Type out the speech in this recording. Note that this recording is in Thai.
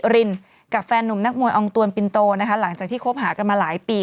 รินกับแฟนหนุ่มนักมวยอองตวนปินโตนะคะหลังจากที่คบหากันมาหลายปี